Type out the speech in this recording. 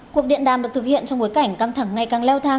cuộc điện đàm được thực hiện trong bối cảnh căng thẳng ngày càng leo thang